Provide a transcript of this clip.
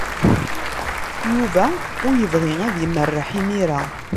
Yuba ur yebɣi ad imerreḥ imir-a.